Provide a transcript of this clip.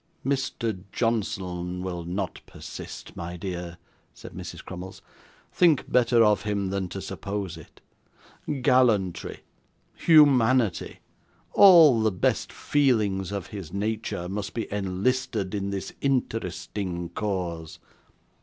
'Mr. Johnson will not persist, my dear,' said Mrs. Crummles. 'Think better of him than to suppose it. Gallantry, humanity, all the best feelings of his nature, must be enlisted in this interesting cause.